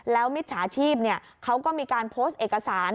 แล้วมิจฉาชีพเขาก็มีการโพสต์เอกสาร